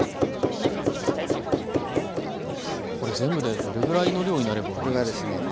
これ全部でどれぐらいの量になればいいですか？